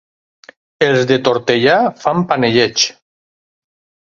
Els de Tortellà fan panellets.